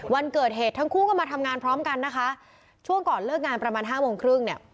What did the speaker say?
วันเกิดเหตุทั้งคู่ก็มาทำงานพร้อมกันนะคะช่วงก่อนเลิกงานประมาณห้าโมงครึ่งเนี่ย